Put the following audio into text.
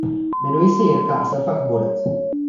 Jmenuji se Jirka a jsem fakt borec.